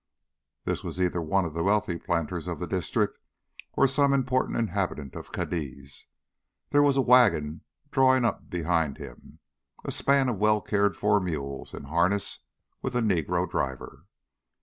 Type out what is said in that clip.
This was either one of the wealthy planters of the district or some important inhabitant of Cadiz. There was a wagon drawing up behind him, a span of well cared for mules in harness with a Negro driver.